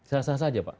sah sah saja pak